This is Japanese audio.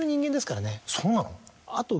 そうなの？